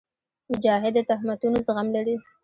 مجاهد د تهمتونو زغم لري.